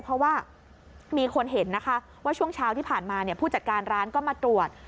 เพราะว่ามีคนเห็นนะคะว่าช่วงเช้าที่ผ่านมาผู้จัดการร้านก็มาตรวจ